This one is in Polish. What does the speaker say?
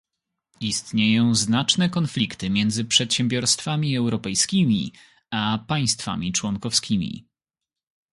Istnieją znaczne konflikty między przedsiębiorstwami europejskimi a państwami członkowskimi